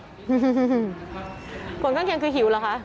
ผลข้างเคียงคือหิวเหรอคะ